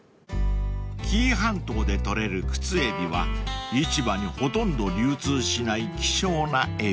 ［紀伊半島で取れるクツエビは市場にほとんど流通しない希少なエビ］